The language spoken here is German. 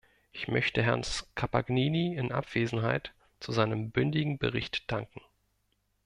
Ich möchte Herrn Scapagnini in Abwesenheit zu seinem bündigen Bericht danken.